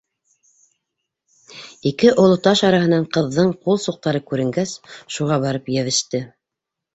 Ике оло таш араһынан ҡыҙҙың ҡул суҡтары күренгәс, шуға барып йәбеште.